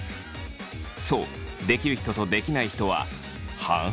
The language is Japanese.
そうできる人とできない人は半々ぐらい。